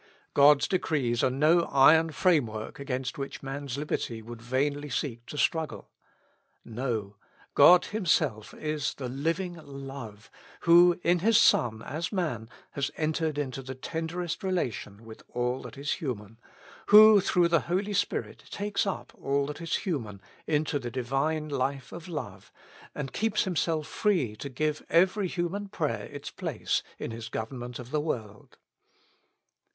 God's decrees are no iron framework against which man's liberty would vainly seek to struggle. No. God Himself is the Living Love, who in His Son as man has entered into the tenderest relation with all that is human, who through the Holy Spirit takes up all that is human into the Divine life of love, and keeps Himself free to give every human prayer its place in His government of the world.